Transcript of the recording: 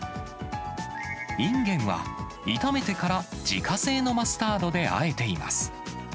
インゲンは炒めてから自家製のマスタードであえています。